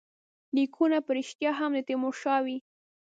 لیکونه په ریشتیا هم د تیمورشاه وي.